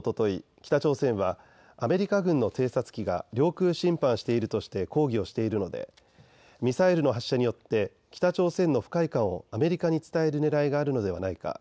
北朝鮮はアメリカ軍の偵察機が領空侵犯しているとして抗議をしているのでミサイルの発射によって北朝鮮の不快感をアメリカに伝えるねらいがあるのではないか。